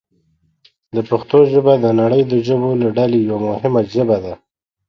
پښتو ژبه د نړۍ د ژبو له ډلې یوه مهمه ژبه ده.